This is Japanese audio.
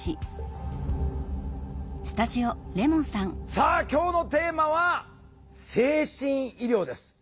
さあ今日のテーマは「精神医療」です。